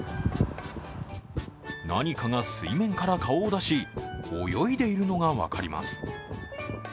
何かが水面から顔を出し泳いでいるのが分かります。